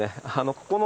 ここの。